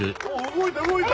動いた動いた！